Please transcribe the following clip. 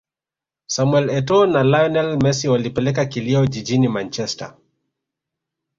Samuel Etoâo na Lionel Messi walipeleka kilio jijini Manchesterr